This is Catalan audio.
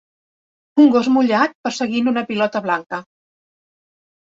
un gos mullat perseguint una pilota blanca.